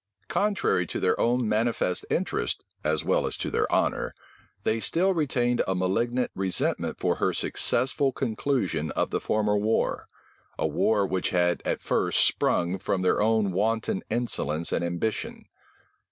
Contrary to their own manifest interest, as well as to their honor, they still retained a malignant resentment for her successful conclusion of the former war; a war which had at first sprung from their own wanton insolence and ambition.